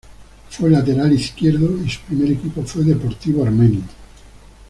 Juega como Lateral Izquierdo y su primer equipo fue Deportivo Armenio.